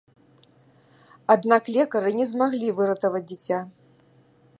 Аднак лекары не змаглі выратаваць дзіця.